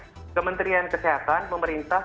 oke kementerian kesehatan pemerintah